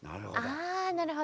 あなるほど。